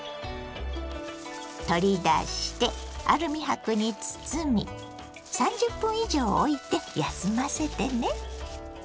取り出してアルミ箔に包み３０分以上おいて休ませてね。